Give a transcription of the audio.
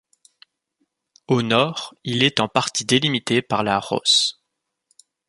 Au nord, il est en partie délimité par la Rauss.